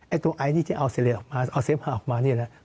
ไอตัวไอนี่จะเอาเซฟฮาออกมานี่นะครับ